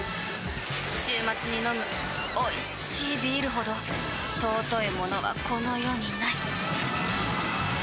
週末に飲むおいしいビールほど尊いものはこの世にない！